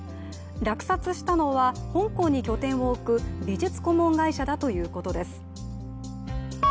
落札したのは、香港に拠点を置く美術顧問会社だということです。